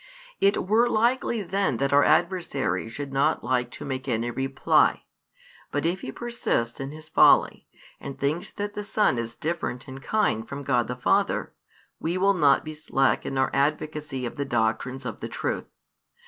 It were likely then that our adversary should not like to make any reply; but if he persists in his folly, and thinks that the Son is different in kind from God the Father, we will not be slack in our advocacy of the |374 doctrines of the truth.